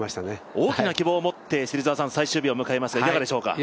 大きな希望を持って最終日を迎えますがいかがでしょうか。